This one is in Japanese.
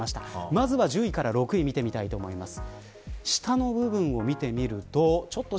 まずは１０位から６位を見てみたいと思います。